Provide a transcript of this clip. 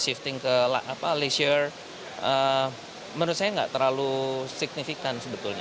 shifting ke leisure menurut saya nggak terlalu signifikan sebetulnya